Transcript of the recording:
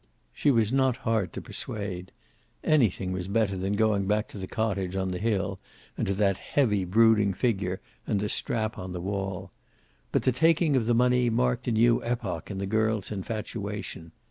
She was not hard to persuade. Anything was better than going back to the cottage on the hill, and to that heavy brooding figure, and the strap on the wall. But the taking of the money marked a new epoch in the girl's infatuation.